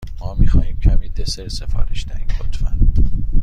ما می خواهیم کمی دسر سفارش دهیم، لطفا.